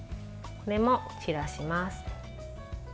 これも散らします。